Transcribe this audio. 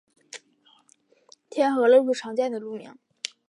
天河路是常见的路名。